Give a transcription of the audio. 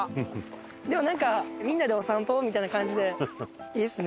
でもなんかみんなでお散歩みたいな感じでいいですね